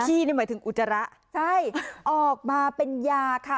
หมายถึงอุจจาระใช่ออกมาเป็นยาค่ะ